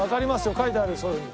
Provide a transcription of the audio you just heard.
書いてあるそういうふうに。